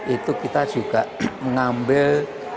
itu kita juga mengambil